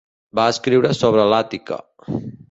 Va escriure sobre l'Àtica.